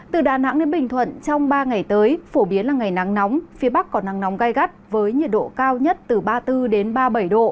từ đà nẵng đến bình thuận trong ba ngày tới phổ biến là ngày nắng nóng phía bắc có nắng nóng gai gắt với nhiệt độ cao nhất từ ba mươi bốn ba mươi bảy độ